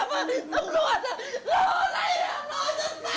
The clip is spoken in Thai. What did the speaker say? ตำรวจรรย์รู้อะไรรู้สักทุกอย่างทัยอ่ะ